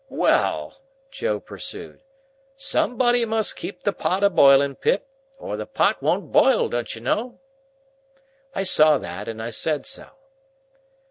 "Well!" Joe pursued, "somebody must keep the pot a biling, Pip, or the pot won't bile, don't you know?" I saw that, and said so.